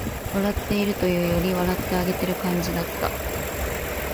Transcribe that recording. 笑っているというより、笑ってあげてる感じだった